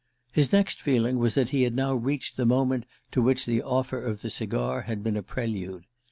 His next feeling was that he had now reached the moment to which the offer of the cigar had been a prelude.